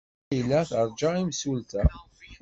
Layla teṛja imsulta.